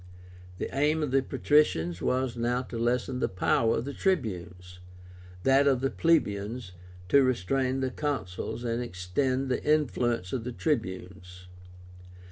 The aim of the patricians was now to lessen the power of the Tribunes; that of the plebeians, to restrain the Consuls and extend the influence of the Tribunes.